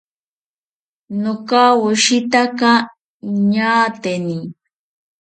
Nokawoshitaka ñaateni